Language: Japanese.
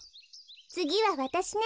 つぎはわたしね。